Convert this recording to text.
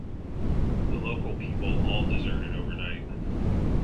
The local people all deserted overnight.